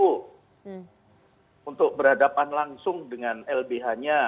untuk berhadapan langsung dengan lbh nya